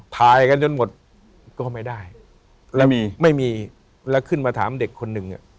ถ่ายกันจนหมดก็ไม่ได้แล้วมีไม่มีแล้วขึ้นมาถามเด็กคนหนึ่งอ่ะ